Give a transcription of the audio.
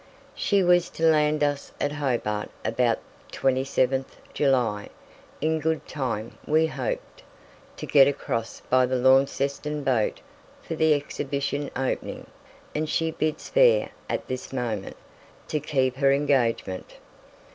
She was to land us at Hobart about 27th July, in good time, we hoped, to get across by the Launceston boat for the Exhibition opening, and she bids fair, at this moment, to keep her engagement.